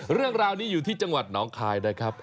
เรื่องราวนี้อยู่ที่จังหวัดหนองคายนะครับ